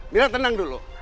mira tenang dulu